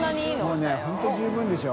發Δ本当十分でしょ？